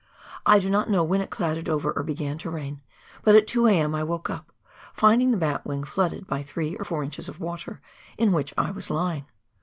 I do not know when it clouded over, or began to rain, but at 2 A.M. I woke up, finding the batwing flooded by three or four inches of water, in which I was lying.